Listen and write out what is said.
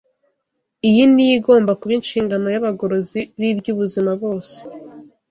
Iyi niyo igomba kuba inshingano y’abagorozi b’iby’ubuzima bose.